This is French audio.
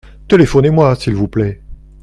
Téléphonez-moi s’il vous plait.